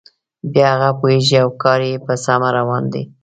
بیا هغه پوهیږي او کار یې په سمه روان دی.